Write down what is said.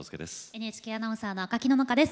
ＮＨＫアナウンサーの赤木野々花です。